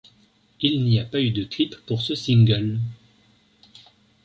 Il n'y a pas eu de clip pour ce single.